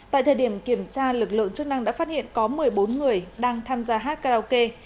tại thời điểm kiểm tra lực lượng chức năng đã phát hiện có một mươi bốn người đang tham gia hát karaoke